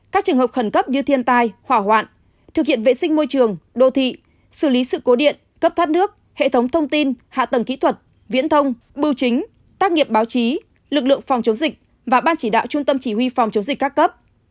các trường hợp khẩn cấp như thiên tai hỏa hoạn thực hiện vệ sinh môi trường đô thị xử lý sự cố điện cấp thoát nước hệ thống thông tin hạ tầng kỹ thuật viễn thông bưu chính tác nghiệp báo chí lực lượng phòng chống dịch và ban chỉ đạo trung tâm chỉ huy phòng chống dịch các cấp